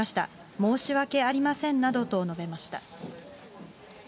申し訳ありませんなどと述べました。